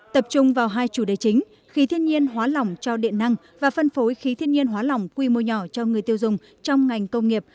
tập trung vào hai chủ đề chính khí thiên nhiên hóa lỏng cho điện năng và phân phối khí thiên nhiên hóa lỏng quy mô nhỏ cho người tiêu dùng trong ngành công nghiệp